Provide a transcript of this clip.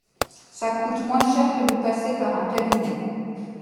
Ça coûte moins cher que de passer par un cabinet.